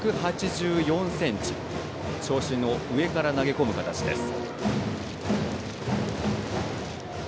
１８４ｃｍ長身の上から投げ込む形です。